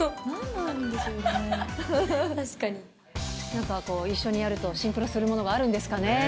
なんかこう、一緒にやるとシンクロするものがあるんですかね。